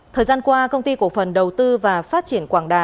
thời gian qua công ty cổ phần đầu tư và phát triển quảng đà